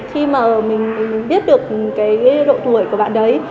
khi mà mình biết được cái độ tuổi của bạn đấy